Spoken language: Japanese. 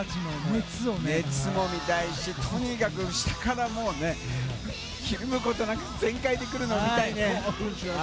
熱も見たいしとにかく下からひるむことなく全開で来るのを見たいね。